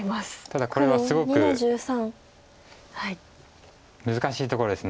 ただこれはすごく難しいところです。